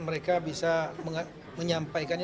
integrapak itu anggaran mem pilgrim bisnis